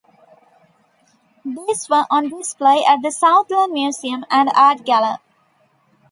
These were on display at the Southland Museum and Art Galler.